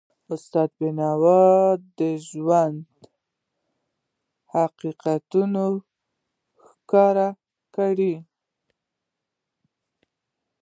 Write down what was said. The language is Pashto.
استاد بینوا د ژوند حقیقتونه ښکاره کړل.